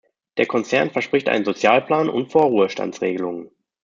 Der Konzern verspricht einen Sozialplan und Vorruhestandsregelungen.